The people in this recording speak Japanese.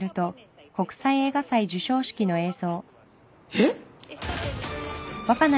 えっ？